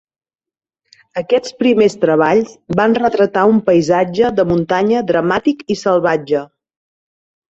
Aquests primers treballs van retratar un paisatge de muntanya dramàtic i salvatge.